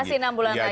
masih enam bulan lagi